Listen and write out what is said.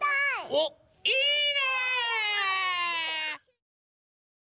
おいいね！